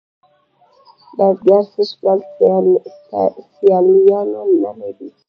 بزگر سږ کال سیاليوان نه لري.